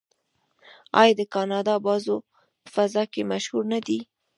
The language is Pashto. آیا د کاناډا بازو په فضا کې مشهور نه دی؟